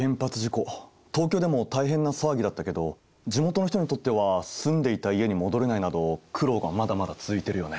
東京でも大変な騒ぎだったけど地元の人にとっては住んでいた家に戻れないなど苦労がまだまだ続いているよね。